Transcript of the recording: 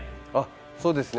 そうですね。